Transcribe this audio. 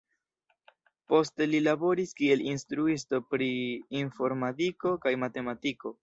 Poste li laboris kiel instruisto pri informadiko kaj matematiko.